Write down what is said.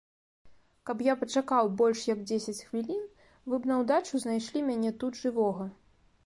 Каб я пачакаў больш як дзесяць хвілін, вы б наўдачу знайшлі мяне тут жывога.